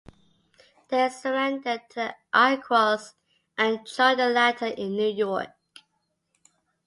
They surrendered to the Iroquois and joined the latter in New York.